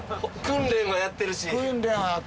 訓練はやってるし。